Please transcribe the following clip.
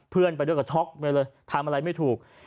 เพื่อนไปด้วยก็ช็อกไปเลยทำอะไรไม่ถูก